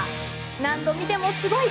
何度見てもすごい！